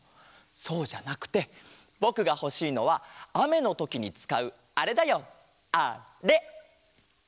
そうじゃなくてぼくがほしいのはあめのときにつかうあれだよあれ！